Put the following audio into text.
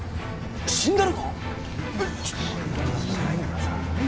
死んだのか？